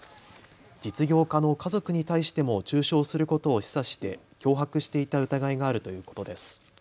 実業家の家族に対しても中傷することを示唆して脅迫していた疑いがあるということです。